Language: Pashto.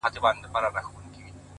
درد ناځوانه بيا زما; ټول وجود نيولی دی;